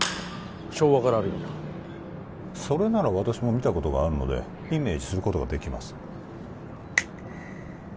昭和からあるようなそれなら私も見たことがあるのでイメージすることができます